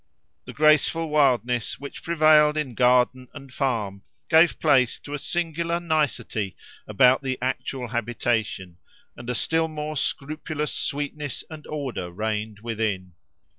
The graceful wildness which prevailed in garden and farm gave place to a singular nicety about the actual habitation, and a still more scrupulous sweetness and order reigned within.